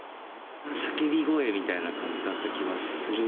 叫び声みたいな感じだった気もする。